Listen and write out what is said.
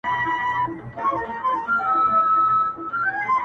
پاچا صفا ووت’ ه پکي غل زه یم’